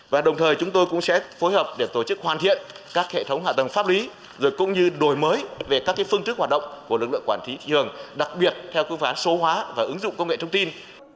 và đồng thời chúng tôi cũng sẽ phối hợp để tổ chức hoàn thiện các hệ thống hạ tầng pháp lý rồi cũng như đổi mới về các phương thức hoạt động của lực lượng quản lý thị trường đặc biệt theo cơ phán số hóa và ứng dụng công nghệ thông tin